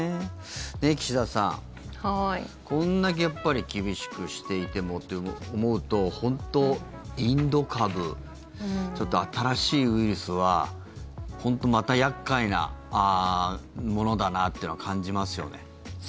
岸田さん、これだけ厳しくしていてもって思うと本当、インド株新しいウイルスはまた厄介なものだなってのは感じますよね。